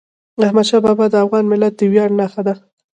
احمدشاه بابا د افغان ملت د ویاړ نښه ده.